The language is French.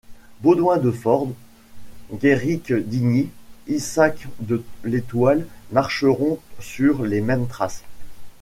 Baudoin de Forde, Guerric d'Igny, Isaac de l'Étoile marcheront sur les mêmes traces.